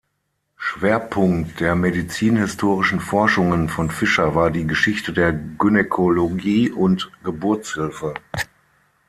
Schwerpunkt der medizinhistorischen Forschungen von Fischer war die Geschichte der Gynäkologie und Geburtshilfe.